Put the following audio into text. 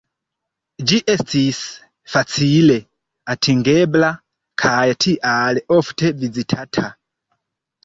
Ĝi estis facile atingebla kaj tial ofte vizitata.